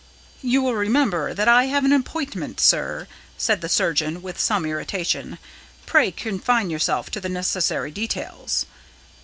"You will remember that I have an appointment, sir," said the surgeon, with some irritation; "pray confine yourself to the necessary details."